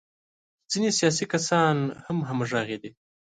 ځینې سیاسي کسان هم همغږي دي.